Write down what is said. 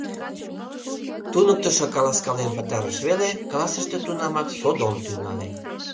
Туныктышо каласкален пытарыш веле, классыште тунамак содом тӱҥале.